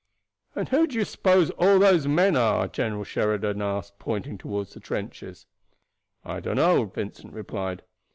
"And who do you suppose all those men are?" General Sheridan asked, pointing toward the trenches. "I dunno," Vincent replied.